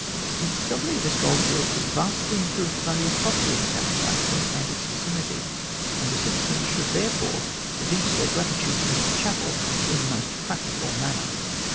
His discovery of this goldfield would vastly improve the value of property in the town of Gladstone and its vicinity, and the citizens should therefore evince their gratitude to Mr Chapel in the most practical manner.